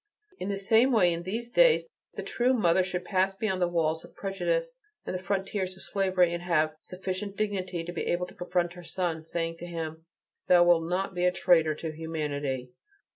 In the same way, in these days, the true mother should pass beyond the walls of prejudice and the frontiers of slavery, and have sufficient dignity to be able to confront her son, saying to him: "Thou wilt not be a traitor to humanity!"